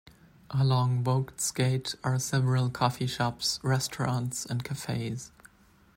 Along Vogts gate are several coffee shops, restaurants and cafes.